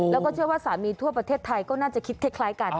แล้วก็เชื่อว่าสามีทั่วประเทศไทยก็น่าจะคิดคล้ายกัน